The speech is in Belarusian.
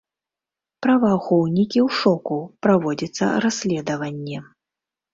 Праваахоўнікі ў шоку, праводзіцца расследаванне.